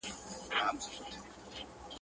يو وزير به يې مين وو پر رنگونو.